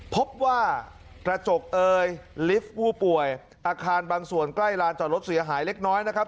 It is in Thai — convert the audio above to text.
พบว่ากระจกเอยลิฟต์ผู้ป่วยอาคารบางส่วนใกล้ลานจอดรถเสียหายเล็กน้อยนะครับ